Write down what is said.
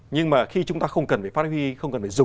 nhưng mà khi chúng ta không cần phải phát huy